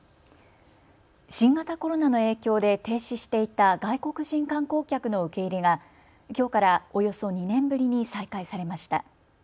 新型コロナの影響で停止していた外国人観光客の受け入れがきょうからおよそ２年ぶりに再開されました。